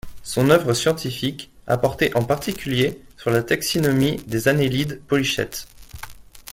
Son œuvre scientifique a porté en particulier sur la taxinomie des annélides polychètes.